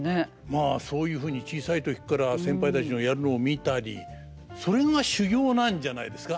まあそういうふうに小さい時から先輩たちのやるのを見たりそれが修業なんじゃないですか。